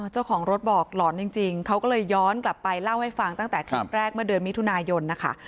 เจ้าของรถบอกหลอนจริงเขาก็เลยย้อนกลับไปเล่าให้ฟังตั้งแต่คลิปแรกเมื่อเดือนมิถุนายนนะคะ